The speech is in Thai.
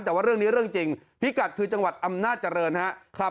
แต่ว่าเรื่องนี้เรื่องจริงพิกัดคือจังหวัดอำนาจเจริญครับ